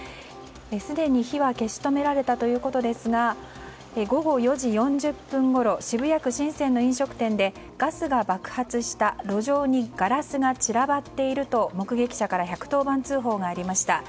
すでに火は消し止められたということですが午後４時４０分ごろ渋谷区神泉の飲食店でガスが爆発した路上にガラスが散らばっていると目撃者から１１０番通報がありました。